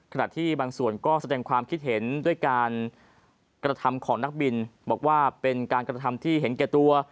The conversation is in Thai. ขณะที่บางส่วนก็แสดงความคิดเห็นด้วยการกระทำของนักบินบอกว่าเป็นการกระทำที่เห็นแก่ตัว